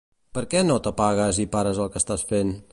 Per què no t'apagues i pares el que estàs fent?